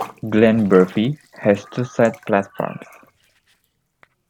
Glenbervie has two side platforms.